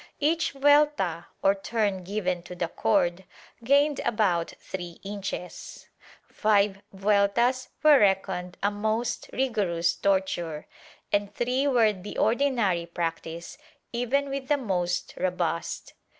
Each vuelta, or turn given to the cord, gained about three inches; five vueltas were reckoned a most rigorous torture, and three were the ordinary practice, even with the most robust.